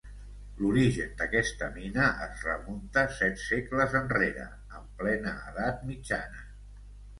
L'origen d'aquesta mina es remunta set segles enrere, en plena edat mitjana.